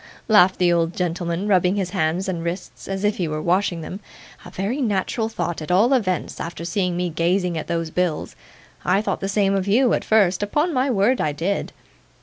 laughed the old gentleman, rubbing his hands and wrists as if he were washing them. 'A very natural thought, at all events, after seeing me gazing at those bills. I thought the same of you, at first; upon my word I did.